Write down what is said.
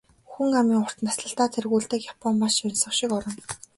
Хүн амын урт наслалтаар тэргүүлдэг Япон маш оньсого шиг орон.